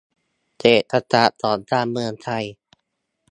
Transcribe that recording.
"เศรษฐศาสตร์ของการเมืองไทย"